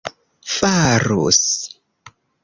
farus